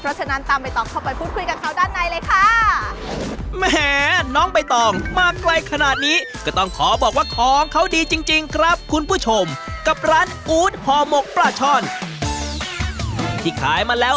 เพราะฉะนั้นตามใบตองเข้าไปพูดคุยกับเขาด้านในเลยค่ะ